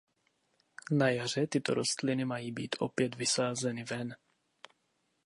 Na jaře tyto rostliny mají být opět vysázeny ven.